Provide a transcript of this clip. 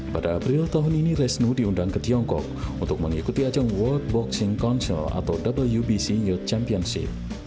pada april tahun ini resnu diundang ke tiongkok untuk mengikuti ajang world boxing council atau wbc youth championship